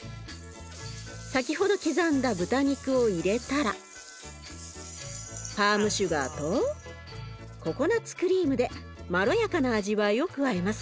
先ほど刻んだ豚肉を入れたらパームシュガーとココナツクリームでまろやかな味わいを加えます。